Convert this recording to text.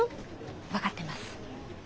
分かってます。